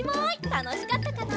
たのしかったかな？